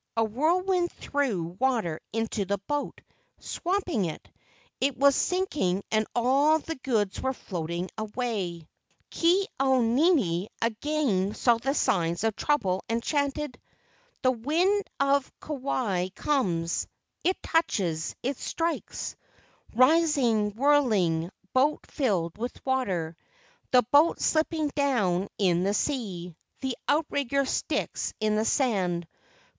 A whirlwind threw water into the boat, swamping it. It was sinking and all the goods were floating away. i 7 8 LEGENDS OF GHOSTS Ke au nini again saw the signs of trouble and chanted: "The wind o£ Kauai comes; it touches; it strikes; Rising, whirling; boat filled with water; The boat slipping down in the sea; The outrigger sticks in the sand.